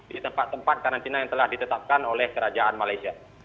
di tempat tempat karantina yang telah ditetapkan oleh kerajaan malaysia